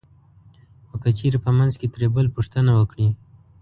خو که چېرې په منځ کې ترې بل پوښتنه وکړي